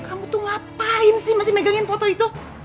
kamu tuh ngapain sih masih megangin foto itu